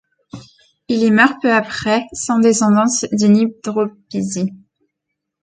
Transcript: Il y meurt peu après, sans descendance, d’une hydropisie.